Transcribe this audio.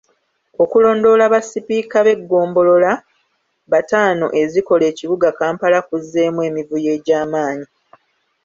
Okulonda basipiika b’eggombolola bataano ezikola ekibuga Kampala kuzzeemu emivuyo egy’amaanyi .